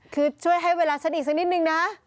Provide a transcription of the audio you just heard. คือช่วยให้เวลาฉันอีกสักนิดนึงนะ